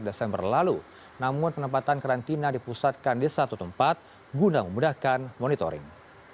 desember lalu namun penempatan karantina dipusatkan di satu tempat guna memudahkan monitoring